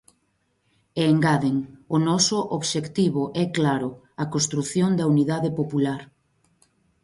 E engaden: O noso obxectivo é claro: a construción da unidade popular.